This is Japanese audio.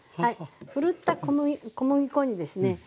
ふるった小麦粉にですね